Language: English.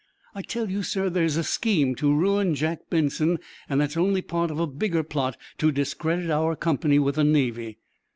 I tell you, sir, there's a scheme to ruin Jack Benson; and that's only part of a bigger plot to discredit our company with the Navy!"